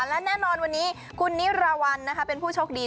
และแน่นอนวันนี้คุณนิรวรรณเป็นผู้โชคดี